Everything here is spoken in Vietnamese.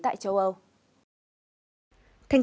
tại châu âu